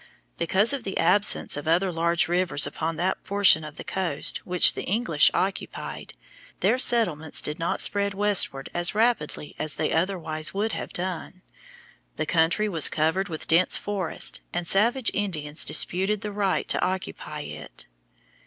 Because of the absence of other large rivers upon that portion of the coast which the English occupied, their settlements did not spread westward as rapidly as they otherwise would have done. The country was covered with dense forests, and savage Indians disputed the right to occupy it.